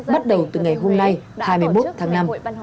bắt đầu từ ngày hôm nay hai mươi một tháng năm